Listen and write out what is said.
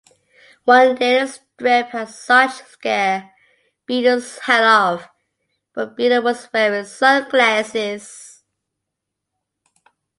One daily strip had Sarge scare Beetle's hat off, but Beetle was wearing sunglasses.